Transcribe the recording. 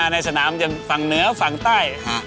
ในสนามจะฝั่งเหนือฝั่งใต้